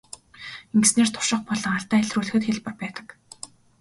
Ингэснээр турших болон алдаа илрүүлэхэд хялбар байдаг.